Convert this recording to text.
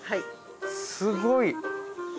すごい。